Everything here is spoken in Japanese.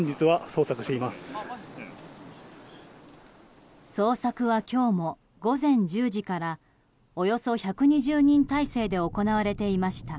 捜索は今日も午前１０時からおよそ１２０人態勢で行われていました。